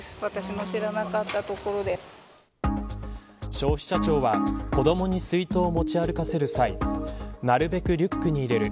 消費者庁では子どもに水筒を持ち歩かせる際なるべくリュックに入れる。